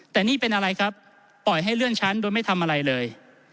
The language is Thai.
แต่นี่เป็นอะไรครับปล่อยให้เลื่อนชั้นโดยไม่ทำอะไรเลย